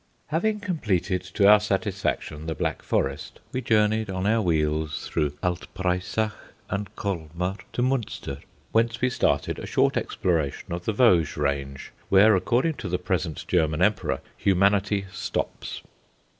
Having completed to our satisfaction the Black Forest, we journeyed on our wheels through Alt Breisach and Colmar to Munster; whence we started a short exploration of the Vosges range, where, according to the present German Emperor, humanity stops.